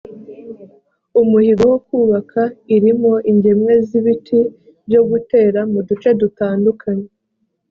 umuhigo wo kubaka irimo ingemwe z ibiti byo gutera mu duce dutandukanye